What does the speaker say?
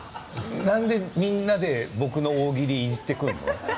なんで、みんなで僕の大喜利をいじってくるの？